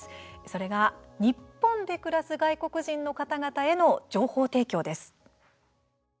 それが、日本で暮らす外国人の方々への情報提供です。